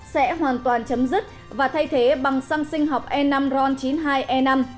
xăng e năm sẽ hoàn toàn chấm dứt và thay thế bằng xăng sinh học e năm ron chín mươi hai e năm